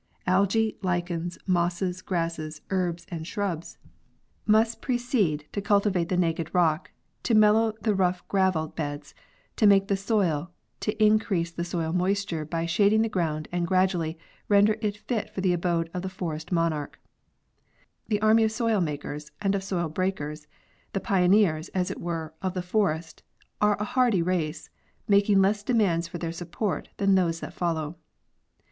Algze, lichens, mosses, grasses, herbs and shrubs must ' The Army of Pioneers. 13 precede to cultivate the naked rock, to mellow the rough gravel beds, to make the soil, to increase the soil moisture by shading the ground and gradually render it fit for the abode of the forest monarch. The army of soil makers and goil breakers, the pioneers, as it were, of the forest, are a hard y race, making leas demands for their support than those that follow.